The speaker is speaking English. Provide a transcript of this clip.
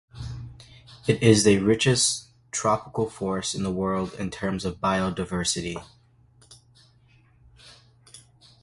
It is the richest tropical forest in the world in terms of biodiversity.